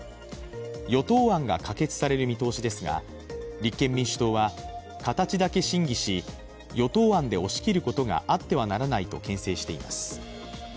与党案が可決される見通しですが、立憲民主党は形だけ審議し、与党案で押し切ることがあってはならないとけん制しています。